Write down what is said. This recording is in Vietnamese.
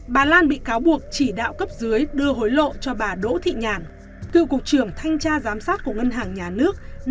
bà lan bị cáo buộc chỉ đạo cấp dưới đưa hối lộ cho bà đỗ thị nhàn cựu cục trưởng thanh tra giám sát của ngân hàng nhà nước năm hai triệu usd